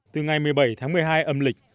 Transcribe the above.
từ ngày một mươi bảy tháng một mươi hai âm lịch